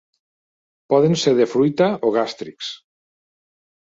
Poden ser de fruita o gàstrics.